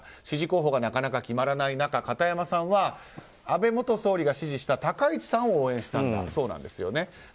支持候補がなかなか決まらない中片山さんは安倍元総理が支持した高市さんを応援したんだそうなんですよね。